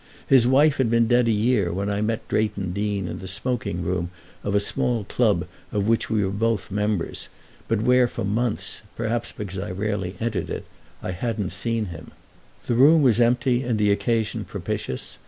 His wife had been dead a year when I met Drayton Deane in the smoking room of a small club of which we both were members, but where for months—perhaps because I rarely entered it—I hadn't seen him. The room was empty and the occasion propitious.